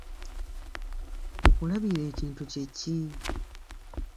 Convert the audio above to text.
Okulabirira ekintu kye ki?